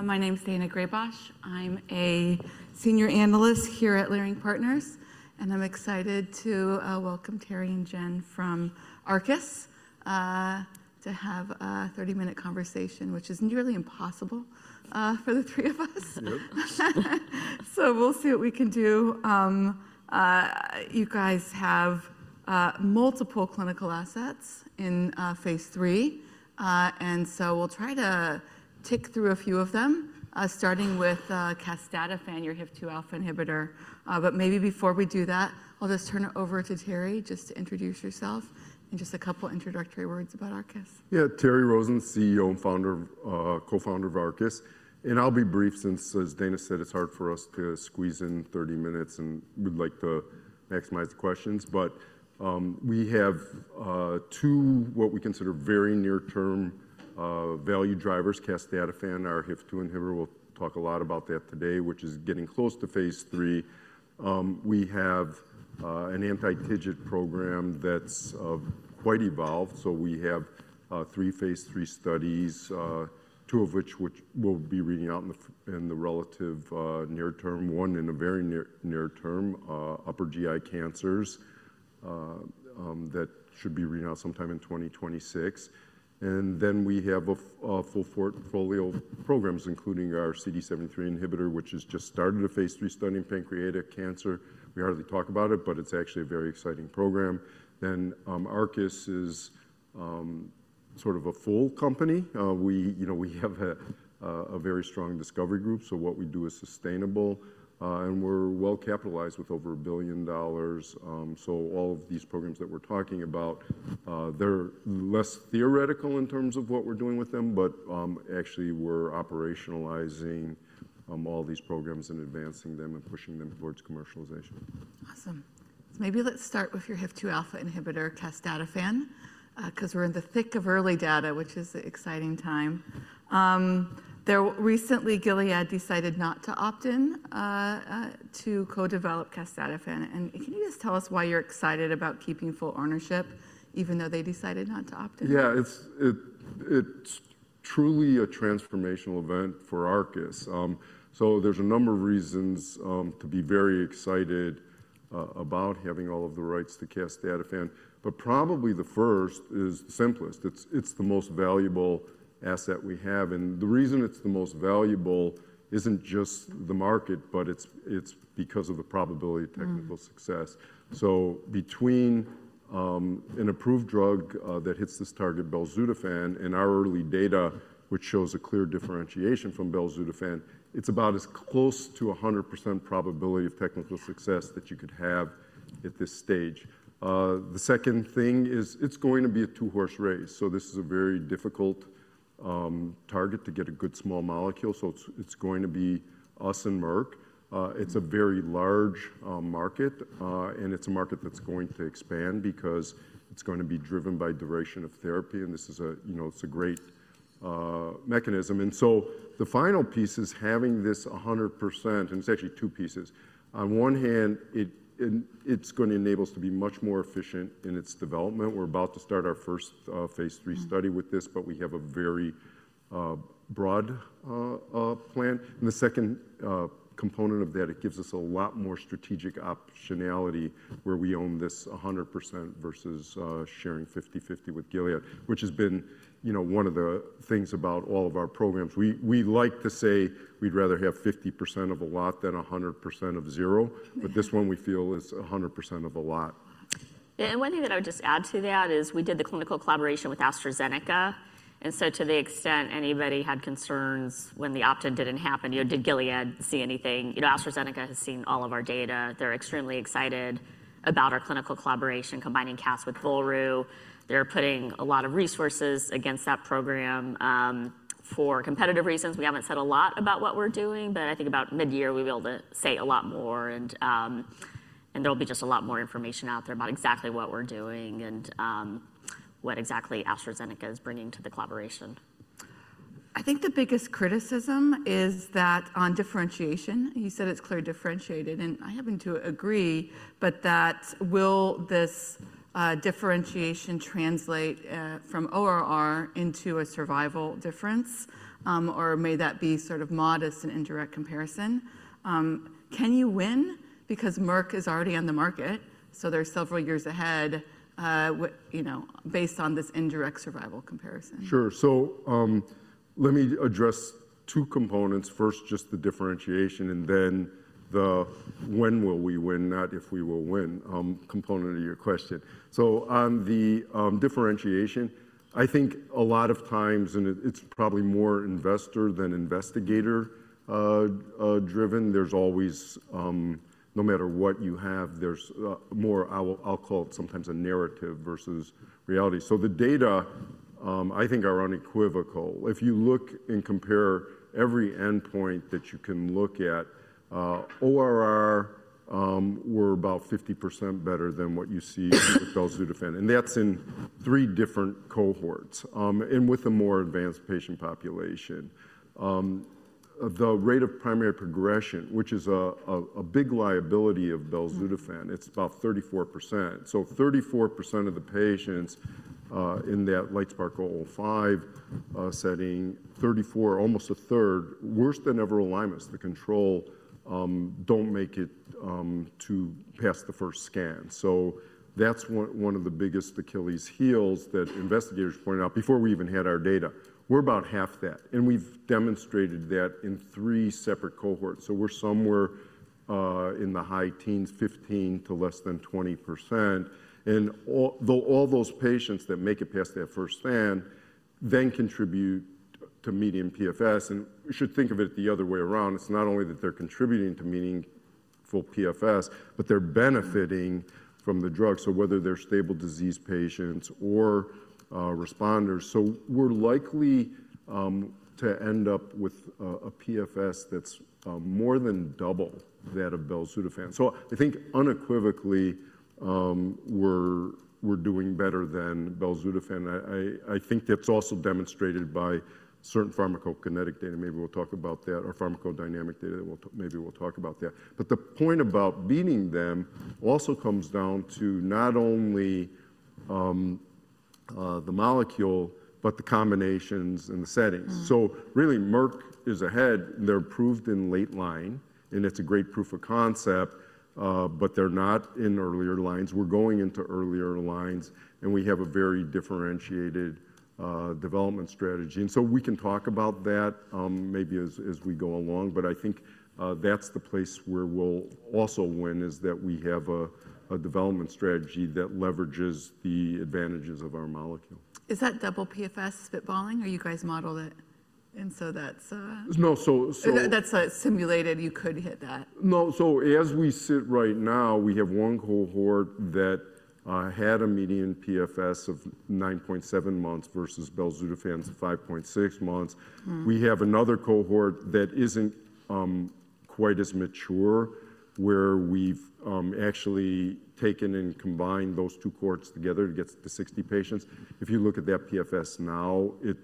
My name is Daina Graybosch. I'm a senior analyst here at Leerink Partners, and I'm excited to welcome Terry and Jen from Arcus to have a 30-minute conversation, which is nearly impossible for the three of us. Nope. We'll see what we can do. You guys have multiple clinical assets in phase three, and so we'll try to tick through a few of them, starting with casdatifan, your HIF-2α inhibitor. Maybe before we do that, I'll just turn it over to Terry just to introduce yourself and just a couple of introductory words about Arcus. Yeah, Terry Rosen, CEO and co-founder of Arcus. I'll be brief since, as Dana said, it's hard for us to squeeze in 30 minutes and we'd like to maximize the questions. We have two what we consider very near-term value drivers: casdatifan, our HIF-2 inhibitor. We'll talk a lot about that today, which is getting close to phase three. We have an anti-TIGIT program that's quite evolved. We have three phase three studies, two of which will be reading out in the relative near term, one in the very near term, upper GI cancers that should be reading out sometime in 2026. We have a full portfolio of programs, including our CD73 inhibitor, which has just started a phase three study in pancreatic cancer. We hardly talk about it, but it's actually a very exciting program. Arcus is sort of a full company. We have a very strong discovery group. What we do is sustainable, and we're well capitalized with over $1 billion. All of these programs that we're talking about, they're less theoretical in terms of what we're doing with them, but actually we're operationalizing all these programs and advancing them and pushing them towards commercialization. Awesome. Maybe let's start with your HIF-2α inhibitor, casdatifan, because we're in the thick of early data, which is an exciting time. Recently, Gilead decided not to opt in to co-develop casdatifan. Can you just tell us why you're excited about keeping full ownership, even though they decided not to opt in? Yeah, it's truly a transformational event for Arcus. There's a number of reasons to be very excited about having all of the rights to casdatifan. Probably the first is the simplest. It's the most valuable asset we have. The reason it's the most valuable isn't just the market, but it's because of the probability of technical success. Between an approved drug that hits this target, belzutifan, and our early data, which shows a clear differentiation from belzutifan, it's about as close to 100% probability of technical success that you could have at this stage. The second thing is it's going to be a two-horse race. This is a very difficult target to get a good small molecule. It's going to be us and Merck. It's a very large market, and it's a market that's going to expand because it's going to be driven by duration of therapy. This is a great mechanism. The final piece is having this 100%, and it's actually two pieces. On one hand, it's going to enable us to be much more efficient in its development. We're about to start our first phase three study with this, but we have a very broad plan. The second component of that, it gives us a lot more strategic optionality where we own this 100% versus sharing 50/50 with Gilead, which has been one of the things about all of our programs. We like to say we'd rather have 50% of a lot than 100% of zero. This one we feel is 100% of a lot. One thing that I would just add to that is we did the clinical collaboration with AstraZeneca. To the extent anybody had concerns when the opt-in did not happen, did Gilead see anything? AstraZeneca has seen all of our data. They are extremely excited about our clinical collaboration, combining casdatifan with volrustomig. They are putting a lot of resources against that program. For competitive reasons, we have not said a lot about what we are doing, but I think about mid-year we will be able to say a lot more. There will be just a lot more information out there about exactly what we are doing and what exactly AstraZeneca is bringing to the collaboration. I think the biggest criticism is that on differentiation, you said it's clear differentiated, and I happen to agree, but that will this differentiation translate from ORR into a survival difference, or may that be sort of modest and indirect comparison? Can you win because Merck is already on the market, so they're several years ahead based on this indirect survival comparison? Sure. Let me address two components. First, just the differentiation, and then the when will we win, not if we will win, component of your question. On the differentiation, I think a lot of times, and it's probably more investor than investigator driven, there's always, no matter what you have, there's more, I'll call it sometimes a narrative versus reality. The data, I think, are unequivocal. If you look and compare every endpoint that you can look at, ORR were about 50% better than what you see with belzutifan. That's in three different cohorts and with a more advanced patient population. The rate of primary progression, which is a big liability of belzutifan, it's about 34%. So 34% of the patients in that LITESPARK-005 setting, 34, almost a third, worse than ever alignments. The control don't make it to pass the first scan. That's one of the biggest Achilles heels that investigators point out before we even had our data. We're about half that. We've demonstrated that in three separate cohorts. We're somewhere in the high teens, 15%-less than 20%. All those patients that make it past that first scan then contribute to median PFS. We should think of it the other way around. It's not only that they're contributing to meaningful PFS, but they're benefiting from the drug. Whether they're stable disease patients or responders, we're likely to end up with a PFS that's more than double that of belzutifan. I think unequivocally we're doing better than belzutifan. I think that's also demonstrated by certain pharmacokinetic data. Maybe we'll talk about that, or pharmacodynamic data. Maybe we'll talk about that. The point about beating them also comes down to not only the molecule, but the combinations and the settings. Really, Merck is ahead. They're approved in late line, and it's a great proof of concept, but they're not in earlier lines. We're going into earlier lines, and we have a very differentiated development strategy. We can talk about that maybe as we go along, but I think that's the place where we'll also win is that we have a development strategy that leverages the advantages of our molecule. Is that double PFS spitballing? Are you guys modeled it? That is. No, so. That's simulated. You could hit that. No, so as we sit right now, we have one cohort that had a median PFS of 9.7 months versus belzutifan's 5.6 months. We have another cohort that isn't quite as mature where we've actually taken and combined those two cohorts together to get to 60 patients. If you look at that PFS now, it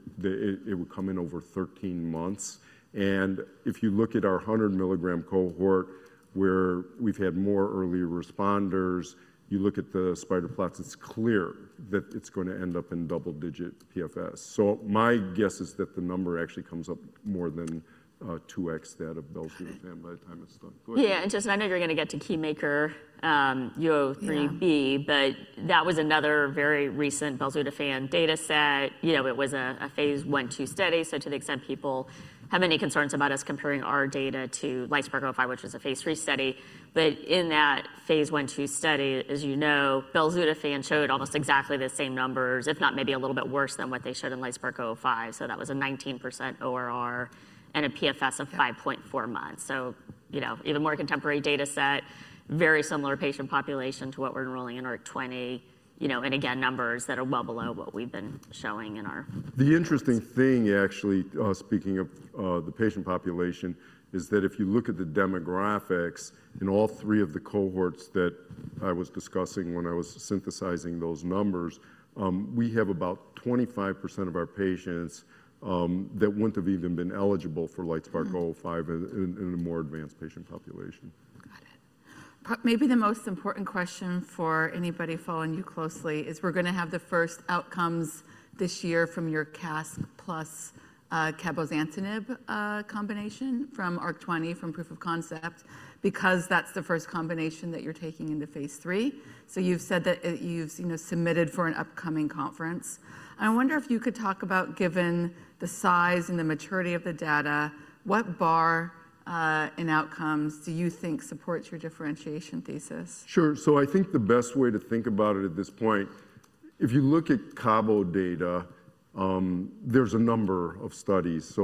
would come in over 13 months. If you look at our 100 milligram cohort, where we've had more early responders, you look at the spider plots, it's clear that it's going to end up in double-digit PFS. My guess is that the number actually comes up more than 2x that of belzutifan by the time it's done. Yeah, and just I know you're going to get to KeyMaker U03B, but that was another very recent belzutifan data set. It was a phase one two study. To the extent people have any concerns about us comparing our data to LITESPARK-005, which was a phase three study. In that phase one two study, as you know, belzutifan showed almost exactly the same numbers, if not maybe a little bit worse than what they showed in LITESPARK-005. That was a 19% ORR and a PFS of 5.4 months. Even more contemporary data set, very similar patient population to what we're enrolling in ARC-20. Again, numbers that are well below what we've been showing in our. The interesting thing, actually, speaking of the patient population, is that if you look at the demographics in all three of the cohorts that I was discussing when I was synthesizing those numbers, we have about 25% of our patients that would not have even been eligible for LITESPARK-005 in a more advanced patient population. Got it. Maybe the most important question for anybody following you closely is we're going to have the first outcomes this year from your casdatifan plus cabozantinib combination from ARC-20 from proof of concept because that's the first combination that you're taking into phase three. You have said that you have submitted for an upcoming conference. I wonder if you could talk about, given the size and the maturity of the data, what bar in outcomes do you think supports your differentiation thesis? Sure. I think the best way to think about it at this point, if you look at Cabo data, there are a number of studies.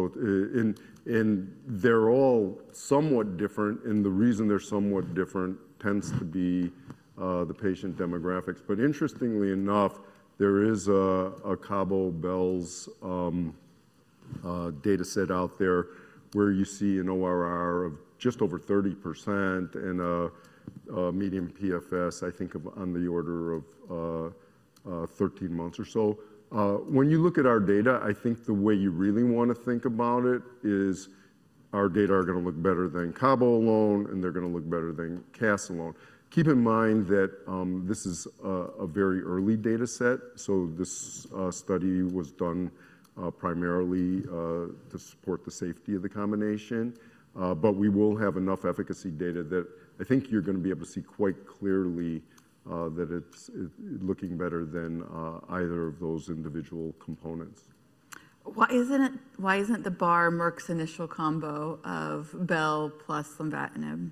They are all somewhat different. The reason they are somewhat different tends to be the patient demographics. Interestingly enough, there is a Cabo Bells data set out there where you see an ORR of just over 30% and a median PFS, I think, on the order of 13 months or so. When you look at our data, I think the way you really want to think about it is our data are going to look better than Cabo alone, and they are going to look better than CAST alone. Keep in mind that this is a very early data set. This study was done primarily to support the safety of the combination. We will have enough efficacy data that I think you're going to be able to see quite clearly that it's looking better than either of those individual components. Why isn't the bar Merck's initial combo of belzutifan plus lenvatinib?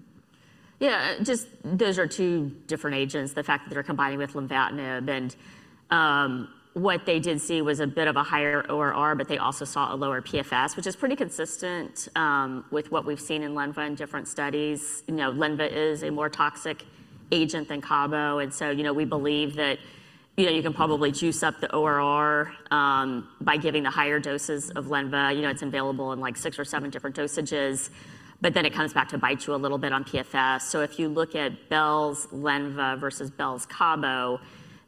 Yeah, just those are two different agents. The fact that they're combining with lenvatinib and what they did see was a bit of a higher ORR, but they also saw a lower PFS, which is pretty consistent with what we've seen in Lenva in different studies. Lenva is a more toxic agent than Cabo. We believe that you can probably juice up the ORR by giving the higher doses of Lenva. It's available in like six or seven different dosages, but then it comes back to bite you a little bit on PFS. If you look at Bel's Lenva versus Bel's Cabo,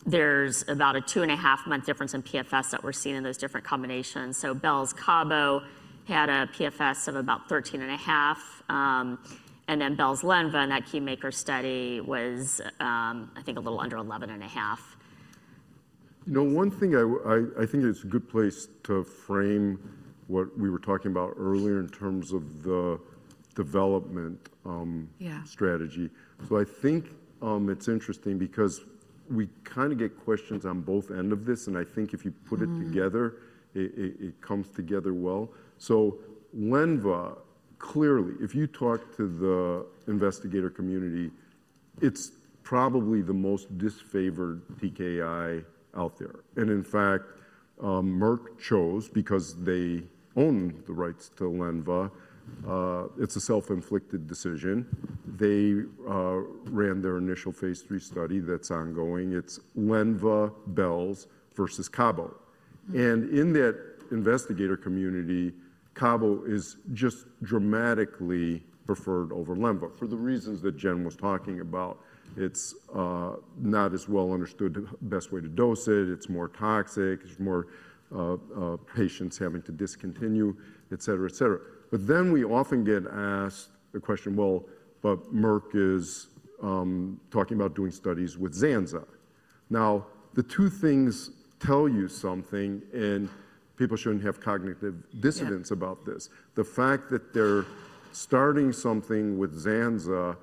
there's about a two and a half month difference in PFS that we're seeing in those different combinations. Bel's Cabo had a PFS of about 13 and a half. Bell's Lenva in that KeyMaker study was, I think, a little under 11 and a half. You know, one thing I think it's a good place to frame what we were talking about earlier in terms of the development strategy. I think it's interesting because we kind of get questions on both ends of this. I think if you put it together, it comes together well. Lenva, clearly, if you talk to the investigator community, it's probably the most disfavored TKI out there. In fact, Merck chose because they own the rights to Lenva. It's a self-inflicted decision. They ran their initial phase three study that's ongoing. It's Lenva, Bell's versus Cabo. In that investigator community, Cabo is just dramatically preferred over Lenva for the reasons that Jen was talking about. It's not as well understood, the best way to dose it. It's more toxic. There's more patients having to discontinue, et cetera, et cetera. We often get asked the question, well, Merck is talking about doing studies with Zanza. Now, the two things tell you something, and people shouldn't have cognitive dissonance about this. The fact that they're starting something with Zanza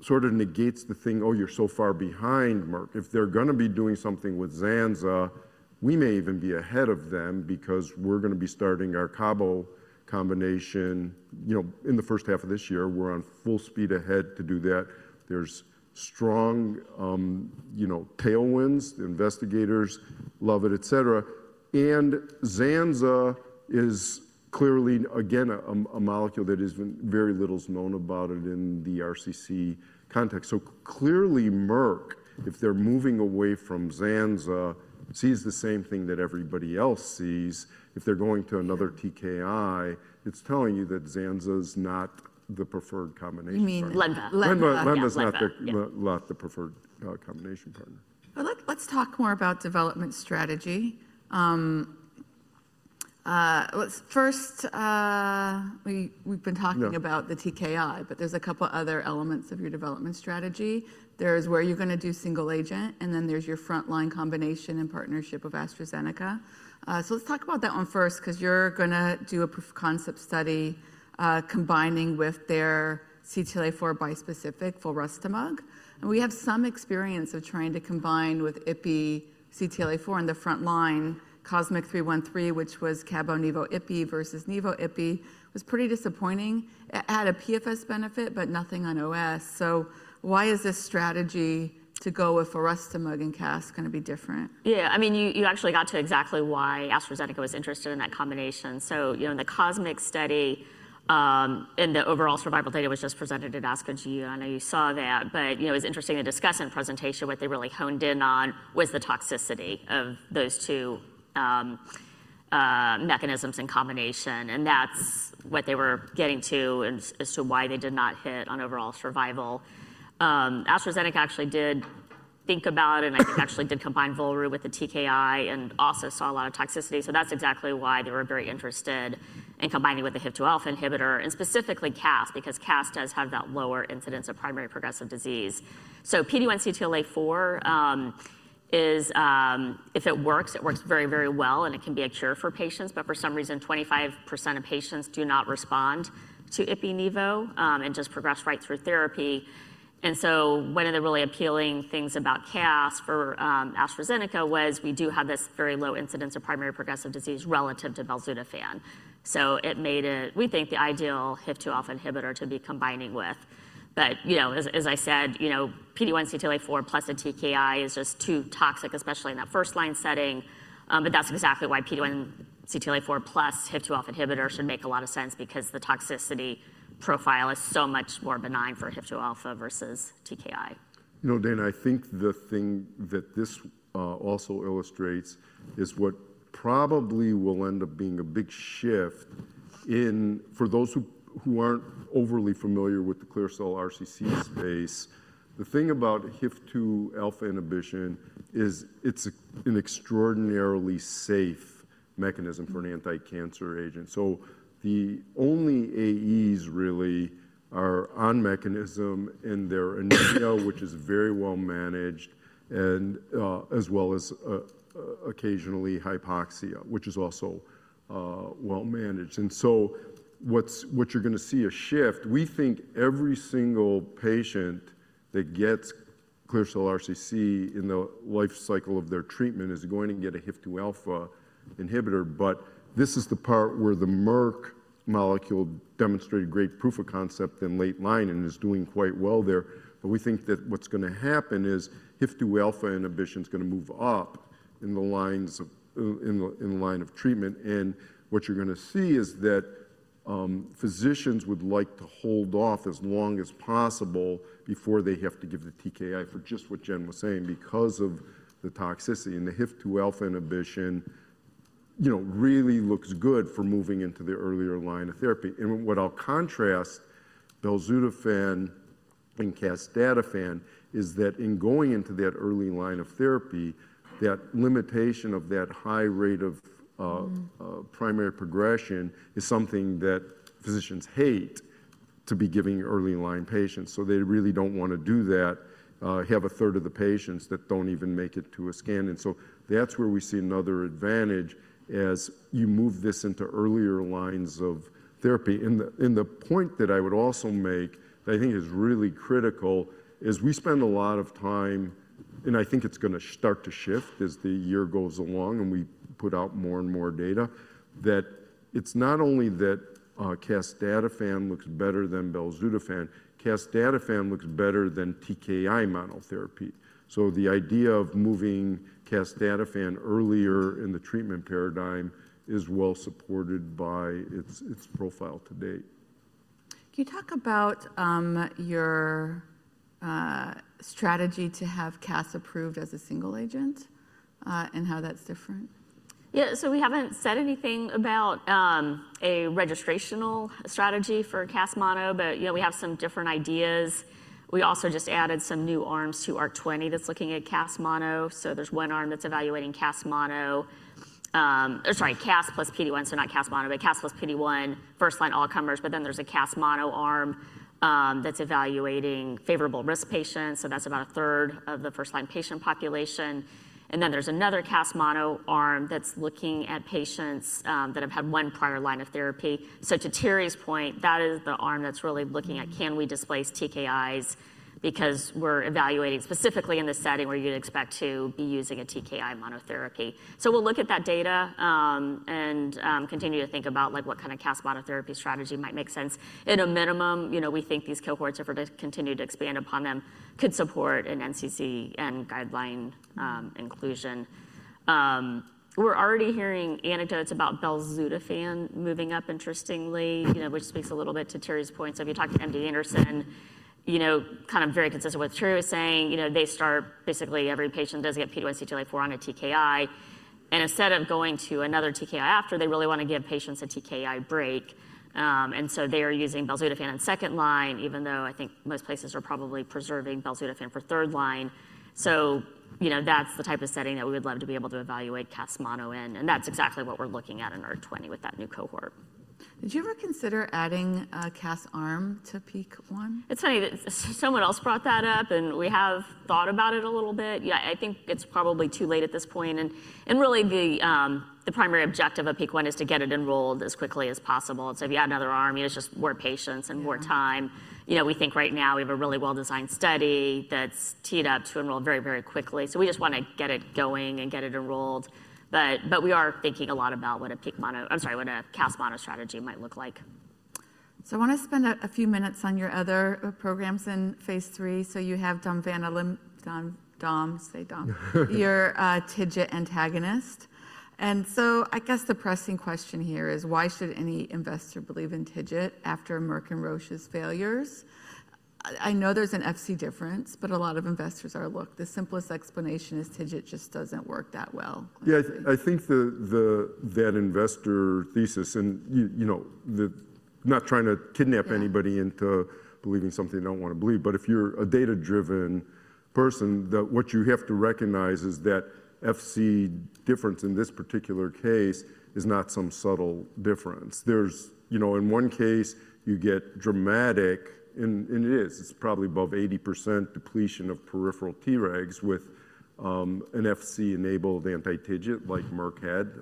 sort of negates the thing, oh, you're so far behind Merck. If they're going to be doing something with Zanza, we may even be ahead of them because we're going to be starting our Cabo combination in the first half of this year. We're on full speed ahead to do that. There's strong tailwinds. The investigators love it, et cetera. Zanza is clearly, again, a molecule that is very little known about in the RCC context. Clearly, Merck, if they're moving away from Zanza, sees the same thing that everybody else sees. If they're going to another TKI, it's telling you that Zanza is not the preferred combination. You mean Lenva. Lenvatinib is not the preferred combination partner. Let's talk more about development strategy. First, we've been talking about the TKI, but there's a couple of other elements of your development strategy. There's where you're going to do single agent, and then there's your frontline combination and partnership of AstraZeneca. Let's talk about that one first because you're going to do a proof of concept study combining with their CTLA-4 bispecific, Volrustomig. And we have some experience of trying to combine with IPI CTLA-4 on the frontline. COSMIC-313, which was Cabo Nivo IPI versus Nivo IPI, was pretty disappointing. It had a PFS benefit, but nothing on OS. Why is this strategy to go with Volrustomig and CAS going to be different? Yeah, I mean, you actually got to exactly why AstraZeneca was interested in that combination. The COSMIC study and the overall survival data was just presented at ASCOG. I know you saw that. It was interesting to discuss in presentation what they really honed in on was the toxicity of those two mechanisms in combination. That is what they were getting to as to why they did not hit on overall survival. AstraZeneca actually did think about it, and I think actually did combine Volrustomig with the TKI and also saw a lot of toxicity. That is exactly why they were very interested in combining with the HIF-2α inhibitor and specifically casdatifan because casdatifan does have that lower incidence of primary progressive disease. PD-1 CTLA-4, if it works, it works very, very well, and it can be a cure for patients. For some reason, 25% of patients do not respond to Ipi Nivo and just progress right through therapy. One of the really appealing things about CASD for AstraZeneca was we do have this very low incidence of primary progressive disease relative to belzutifan. It made it, we think, the ideal HIF-2α inhibitor to be combining with. As I said, PD-1 CTLA-4 plus a TKI is just too toxic, especially in that first-line setting. That is exactly why PD-1 CTLA-4 plus HIF-2α inhibitor should make a lot of sense because the toxicity profile is so much more benign for HIF-2α versus TKI. You know, Dana, I think the thing that this also illustrates is what probably will end up being a big shift for those who aren't overly familiar with the clear cell RCC space. The thing about HIF-2α inhibition is it's an extraordinarily safe mechanism for an anti-cancer agent. The only AEs really are on mechanism in their anemia, which is very well managed, as well as occasionally hypoxia, which is also well managed. What you're going to see is a shift. We think every single patient that gets clear cell RCC in the life cycle of their treatment is going to get a HIF-2α inhibitor. This is the part where the Merck molecule demonstrated great proof of concept in late line and is doing quite well there. We think that what's going to happen is HIF-2α inhibition is going to move up in the line of treatment. What you're going to see is that physicians would like to hold off as long as possible before they have to give the TKI for just what Jen was saying because of the toxicity. The HIF-2α inhibition really looks good for moving into the earlier line of therapy. What I'll contrast belzutifan and casdatifan is that in going into that early line of therapy, that limitation of that high rate of primary progression is something that physicians hate to be giving early line patients. They really don't want to do that. You have a third of the patients that don't even make it to a scan. That's where we see another advantage as you move this into earlier lines of therapy. The point that I would also make that I think is really critical is we spend a lot of time, and I think it's going to start to shift as the year goes along and we put out more and more data, that it's not only that casdatifan looks better than belzutifan. Casdatifan looks better than TKI monotherapy. The idea of moving casdatifan earlier in the treatment paradigm is well supported by its profile to date. Can you talk about your strategy to have casdatifan approved as a single agent and how that's different? Yeah, so we haven't said anything about a registrational strategy for casdatifan mono, but we have some different ideas. We also just added some new arms to ARC-20 that's looking at casdatifan mono. There is one arm that's evaluating casdatifan mono, or sorry, casdatifan plus PD-1, so not casdatifan mono, but casdatifan plus PD-1 first line all comers. There is a casdatifan mono arm that's evaluating favorable risk patients. That is about a third of the first line patient population. There is another casdatifan mono arm that's looking at patients that have had one prior line of therapy. To Terry's point, that is the arm that's really looking at, can we displace TKIs because we're evaluating specifically in the setting where you'd expect to be using a TKI monotherapy. We'll look at that data and continue to think about what kind of CAST monotherapy strategy might make sense. At a minimum, we think these cohorts are going to continue to expand upon them, could support an NCCN guideline inclusion. We're already hearing anecdotes about belzutifan moving up, interestingly, which speaks a little bit to Terry's point. If you talk to MD Anderson, kind of very consistent with what Terry was saying, they start basically every patient that doesn't get PD-1 CTLA-4 on a TKI. Instead of going to another TKI after, they really want to give patients a TKI break. They are using belzutifan in second line, even though I think most places are probably preserving belzutifan for third line. That's the type of setting that we would love to be able to evaluate CAST mono in. That's exactly what we're looking at in ARC-20 with that new cohort. Did you ever consider adding a CAST arm to PEAK-1? It's funny that someone else brought that up, and we have thought about it a little bit. I think it's probably too late at this point. Really, the primary objective of PEAK-1 is to get it enrolled as quickly as possible. If you add another arm, it's just more patients and more time. We think right now we have a really well-designed study that's teed up to enroll very, very quickly. We just want to get it going and get it enrolled. We are thinking a lot about what a PEAK-1, I'm sorry, what a casdatifan mono strategy might look like. I want to spend a few minutes on your other programs in phase three. You have domvanalimab, Dom, say Dom, your TIGIT antagonist. I guess the pressing question here is, why should any investor believe in TIGIT after Merck and Roche's failures? I know there's an Fc difference, but a lot of investors are like, the simplest explanation is TIGIT just doesn't work that well. Yeah, I think that investor thesis and not trying to kidnap anybody into believing something they don't want to believe. But if you're a data-driven person, what you have to recognize is that Fc difference in this particular case is not some subtle difference. In one case, you get dramatic, and it is, it's probably above 80% depletion of peripheral Tregs with an Fc-enabled anti-TIGIT like Merck had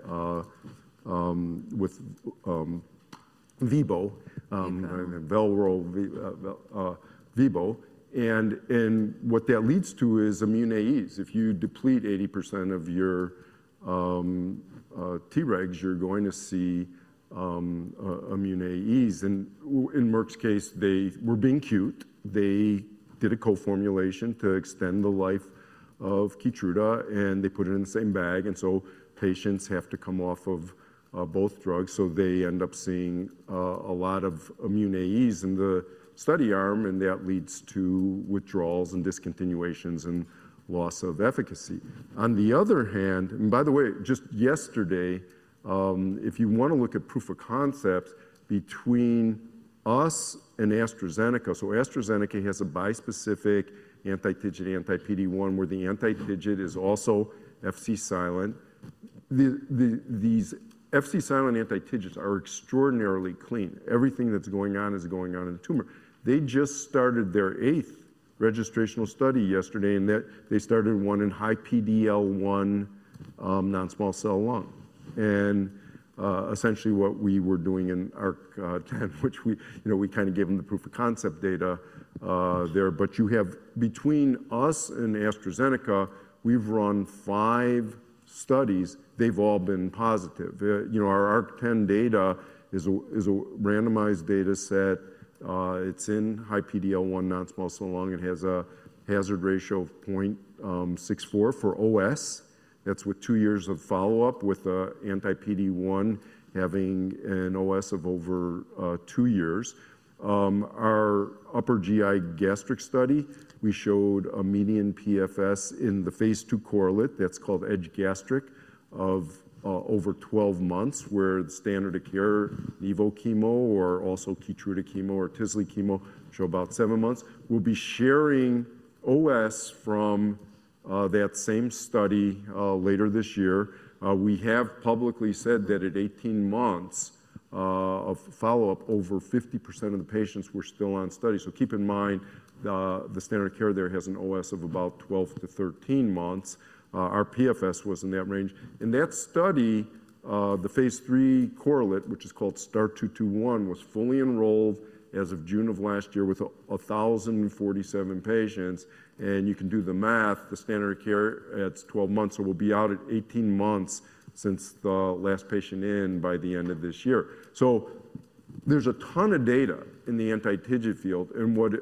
with Vibo, Velro, Vibo. And what that leads to is immune AEs. If you deplete 80% of your Tregs, you're going to see immune AEs. In Merck's case, they were being cute. They did a co-formulation to extend the life of Keytruda, and they put it in the same bag. Patients have to come off of both drugs. They end up seeing a lot of immune AEs in the study arm, and that leads to withdrawals and discontinuations and loss of efficacy. On the other hand, and by the way, just yesterday, if you want to look at proof of concept between us and AstraZeneca, AstraZeneca has a bispecific anti-TIGIT, anti-PD-1, where the anti-TIGIT is also Fc silent. These Fc silent anti-TIGITs are extraordinarily clean. Everything that's going on is going on in the tumor. They just started their eighth registrational study yesterday, and they started one in high PD-L1 non-small cell lung. Essentially what we were doing in ARC-10, which we kind of gave them the proof of concept data there. You have between us and AstraZeneca, we've run five studies. They've all been positive. Our ARC-10 data is a randomized data set. It's in high PD-L1 non-small cell lung. It has a hazard ratio of 0.64 for OS. That's with two years of follow-up with anti-PD-1 having an OS of over two years. Our upper GI gastric study, we showed a median PFS in the phase two correlate that's called EDGE Gastric of over 12 months, where the standard of care Nivo chemo or also Keytruda chemo or Tisle chemo show about seven months. We'll be sharing OS from that same study later this year. We have publicly said that at 18 months of follow-up, over 50% of the patients were still on study. Keep in mind the standard of care there has an OS of about 12-13 months. Our PFS was in that range. In that study, the phase three correlate, which is called STAR-221, was fully enrolled as of June of last year with 1,047 patients. You can do the math, the standard of care at 12 months. We will be out at 18 months since the last patient in by the end of this year. There is a ton of data in the anti-TIGIT field.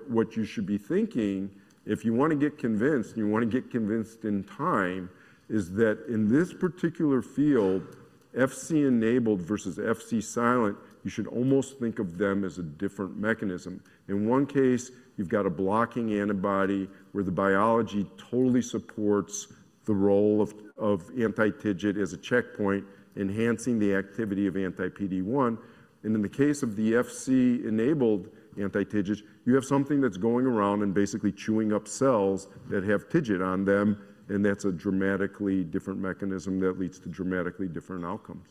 What you should be thinking, if you want to get convinced, and you want to get convinced in time, is that in this particular field, Fc enabled versus Fc silent, you should almost think of them as a different mechanism. In one case, you have got a blocking antibody where the biology totally supports the role of anti-TIGIT as a checkpoint, enhancing the activity of anti-PD-1. In the case of the Fc enabled anti-TIGITs, you have something that is going around and basically chewing up cells that have TIGIT on them. That is a dramatically different mechanism that leads to dramatically different outcomes.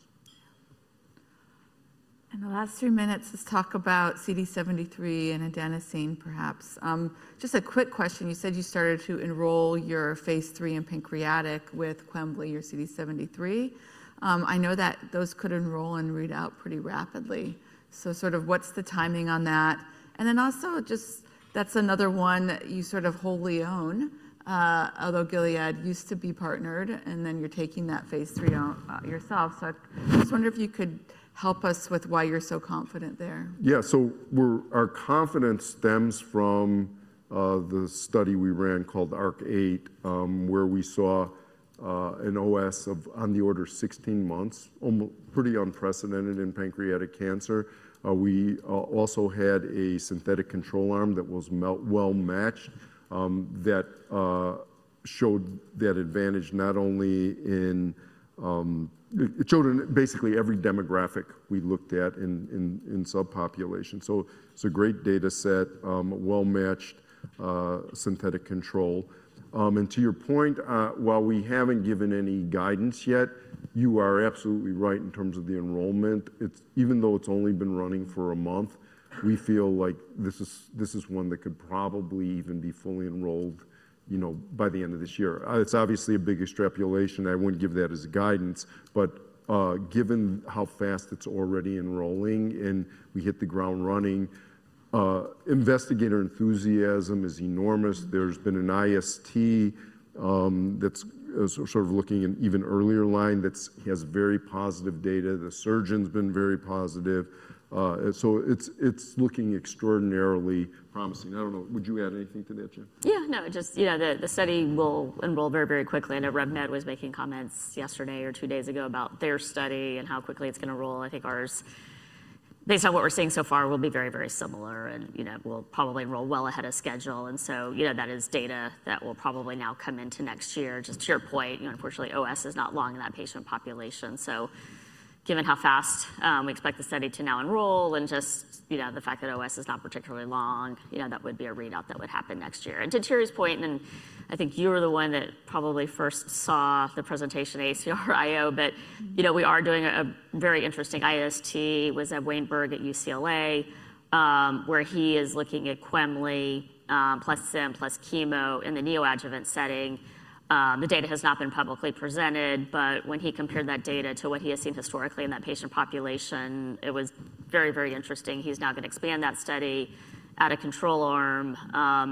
In the last three minutes, let's talk about CD73 and adenosine perhaps. Just a quick question. You said you started to enroll your phase three in pancreatic with quemliclustat, your CD73. I know that those could enroll and read out pretty rapidly. Sort of what's the timing on that? Also, just that's another one that you sort of wholly own, although Gilead used to be partnered, and then you're taking that phase three yourself. I just wonder if you could help us with why you're so confident there. Yeah, so our confidence stems from the study we ran called ARC-8, where we saw an OS of on the order of 16 months, pretty unprecedented in pancreatic cancer. We also had a synthetic control arm that was well matched that showed that advantage not only in it showed in basically every demographic we looked at in subpopulation. So it's a great data set, well matched synthetic control. And to your point, while we haven't given any guidance yet, you are absolutely right in terms of the enrollment. Even though it's only been running for a month, we feel like this is one that could probably even be fully enrolled by the end of this year. It's obviously a big extrapolation. I wouldn't give that as guidance. But given how fast it's already enrolling and we hit the ground running, investigator enthusiasm is enormous. There's been an IST that's sort of looking in even earlier line that has very positive data. The surgeon's been very positive. It is looking extraordinarily promising. I don't know, would you add anything to that, Jen? Yeah, no, just the study will enroll very, very quickly. I know RevMed was making comments yesterday or two days ago about their study and how quickly it's going to roll. I think ours, based on what we're seeing so far, will be very, very similar. We'll probably enroll well ahead of schedule. That is data that will probably now come into next year. Just to your point, unfortunately, OS is not long in that patient population. Given how fast we expect the study to now enroll and just the fact that OS is not particularly long, that would be a readout that would happen next year. To Terry's point, and I think you were the one that probably first saw the presentation at ACRIO, we are doing a very interesting IST with Zev Waenberg at UCLA, where he is looking at quemliclustat, plus sim, plus chemo in the neoadjuvant setting. The data has not been publicly presented, but when he compared that data to what he has seen historically in that patient population, it was very, very interesting. He's now going to expand that study with a control arm.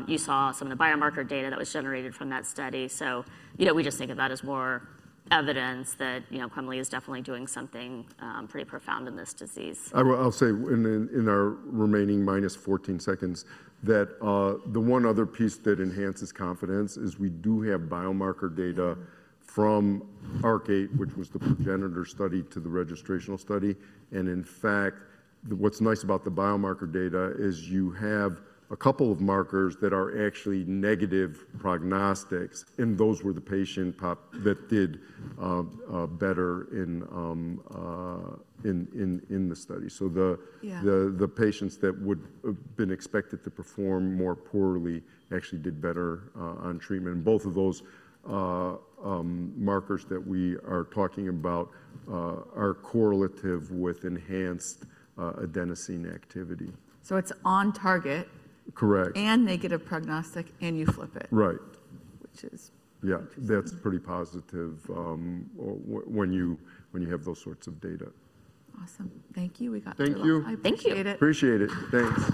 You saw some of the biomarker data that was generated from that study. We just think of that as more evidence that quemliclustat is definitely doing something pretty profound in this disease. I'll say in our remaining minus 14 seconds that the one other piece that enhances confidence is we do have biomarker data from ARC8, which was the progenitor study to the registrational study. In fact, what's nice about the biomarker data is you have a couple of markers that are actually negative prognostics. Those were the patient that did better in the study. The patients that would have been expected to perform more poorly actually did better on treatment. Both of those markers that we are talking about are correlative with enhanced adenosine activity. It's on target. Correct. Negative prognostic, and you flip it. Right. Which is interesting. Yeah, that's pretty positive when you have those sorts of data. Awesome. Thank you. We got that. Thank you. I appreciate it. Thanks.